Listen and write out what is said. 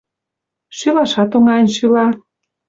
Шӱлашат оҥайын шӱла.